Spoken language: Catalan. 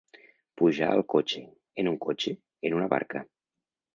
Pujar al cotxe, en un cotxe, en una barca.